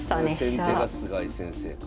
先手が菅井先生か。